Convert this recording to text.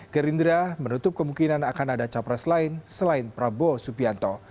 gerindra menutup kemungkinan akan ada capres lain selain prabowo subianto